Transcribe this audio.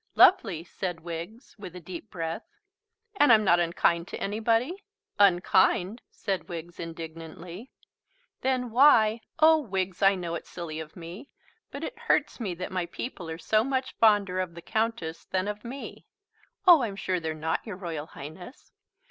"Lovely!" said Wiggs, with a deep breath. "And I'm not unkind to anybody?" "Unkind!" said Wiggs indignantly. "Then why oh, Wiggs, I know it's silly of me, but it hurts me that my people are so much fonder of the Countess than of me." "Oh, I'm sure they're not, your Royal Highness."